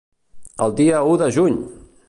El dia u de juny!